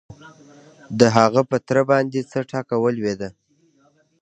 د هغه په تره باندې څه ټکه ولوېده؟